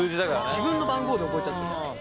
自分の番号で覚えちゃってる。